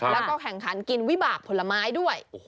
แล้วก็แข่งขันกินวิบากผลไม้ด้วย